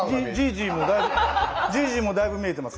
じいじもだいぶ見えてます。